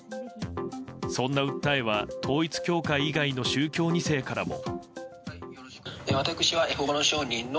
そんな訴えは統一教会以外の宗教２世からも。